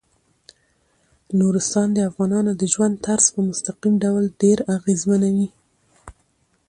نورستان د افغانانو د ژوند طرز په مستقیم ډول ډیر اغېزمنوي.